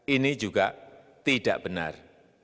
ini juga tidak benar